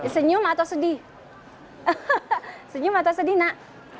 senyum atau sedih senyum atau sedih nak